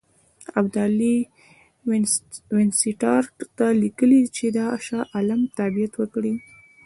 ابدالي وینسیټارټ ته لیکلي چې د شاه عالم تابعیت وکړي.